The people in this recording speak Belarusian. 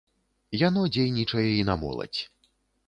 Яно дзейнічае і на моладзь.